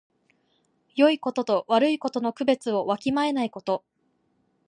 よいことと悪いことの区別をわきまえないこと。